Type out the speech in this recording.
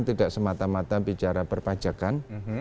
tidak semata mata bicara perpajakan